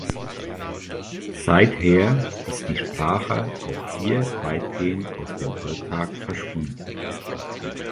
Seither ist die Sprache auch hier weitgehend aus dem Alltag verschwunden.